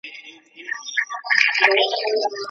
زما په شنو بانډو کي د مغول آسونه ستړي سول